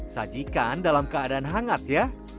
sajikan dalam keadaan hangat ya